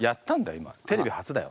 テレビ初だよ。